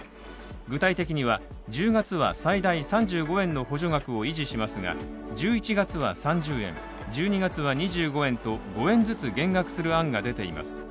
具体的には１０月は最大３５円の補助額を維持しますが１１月は３０円、１２月は２５円と５円ずつ減額する案が出ています。